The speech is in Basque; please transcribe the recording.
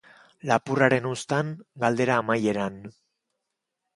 Lapurraren uztan, galdera amaieran.